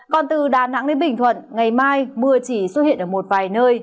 còn từ đà nẵng đến bình thuận ngày mai mưa chỉ xuất hiện ở một vài nơi